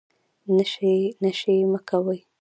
نشې مه کوئ